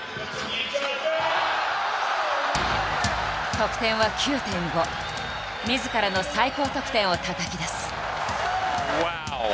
得点はみずからの最高得点をたたき出す。